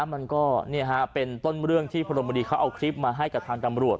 มันก็เป็นต้นเรื่องที่พลเมืองดีเขาเอาคลิปมาให้กับทางตำรวจ